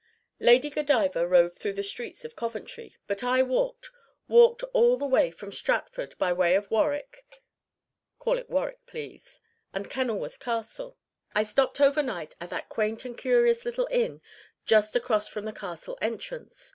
Lady Godiva rode through the streets of Coventry, but I walked walked all the way from Stratford, by way of Warwick (call it Warrick, please) and Kenilworth Castle. I stopped overnight at that quaint and curious little inn just across from the castle entrance.